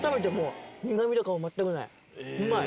うまい。